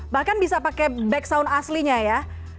bahkan bisa pakai back sound aslinya ya